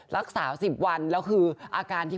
รักษา๑๐วันแล้วคืออาการที่